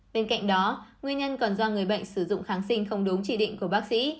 bên cạnh đó nguyên nhân còn do người bệnh sử dụng kháng sinh không đúng chỉ định của bác sĩ